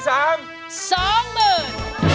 ๔หมื่น